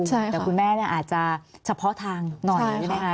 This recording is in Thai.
แต่คุณแม่อาจจะเฉพาะทางหน่อยใช่ไหมคะ